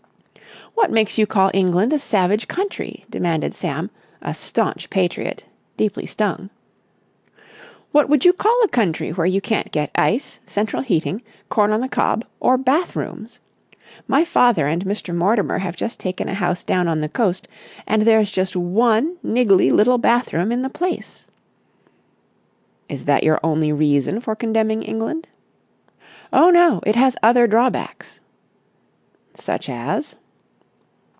"What makes you call England a savage country?" demanded Sam, a staunch patriot, deeply stung. "What would you call a country where you can't get ice, central heating, corn on the cob, or bathrooms? My father and Mr. Mortimer have just taken a house down on the coast and there's just one niggly little bathroom in the place." "Is that your only reason for condemning England?" "Oh no, it has other drawbacks." "Such as?"